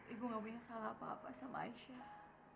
ibu tidak punya salah apa apa dengan aisyah